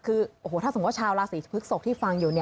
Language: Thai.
คือถ้าสมมุติว่าชาวราศีพฤกษกที่ฟังอยู่